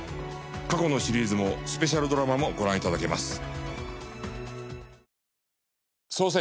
過去のシリーズもスペシャルドラマもご覧頂けます。